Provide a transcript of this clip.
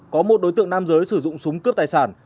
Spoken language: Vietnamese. có một đối tượng nam giới sử dụng súng cướp tài sản